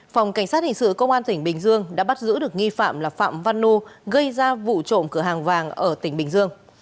phòng cảnh sát hình sự công an tp hcm đã bắt giữ được nghi phạm là phạm văn nô gây ra vụ trộm cửa hàng vàng ở tp hcm